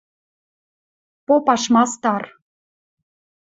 Попаш мастар.